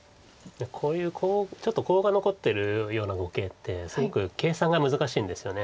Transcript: こういうコウちょっとコウが残ってるような碁形ってすごく計算が難しいんですよね。